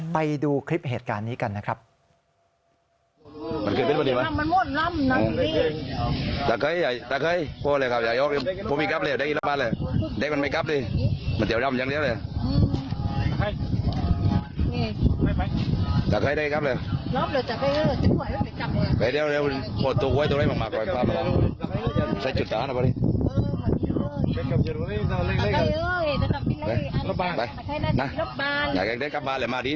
ไปดูคลิปเหตุการณ์นี้กันนะครับ